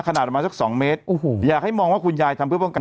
ขนาดประมาณสักสองเมตรโอ้โหอยากให้มองว่าคุณยายทำเพื่อป้องกัน